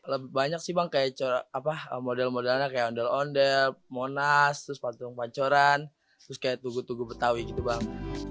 lebih banyak sih bang kayak apa model modelnya kayak ondel ondel monas terus patung pancoran terus kayak tugu tugu betawi gitu bang